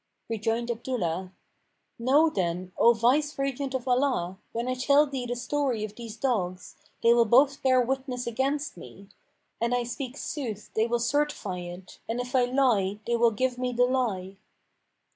Rejoined Abdullah, "Know then, O vice regent of Allah, when I tell thee the story of these dogs, they will both bear witness against me: an I speak sooth they will certify it and if I lie they will give me the lie."